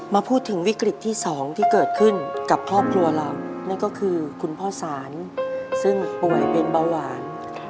มาถึงวิกฤตที่๒ที่เกิดขึ้นกับครอบครัวเรานั่นก็คือคุณพ่อสารซึ่งป่วยเป็นเบาหวาน